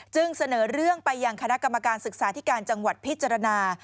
เสนอเรื่องไปยังคณะกรรมการศึกษาธิการจังหวัดพิจารณา